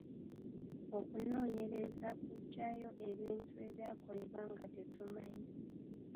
Okunoonyereza kuggyayo ebintu ebyakolebwa nga tetumanyi.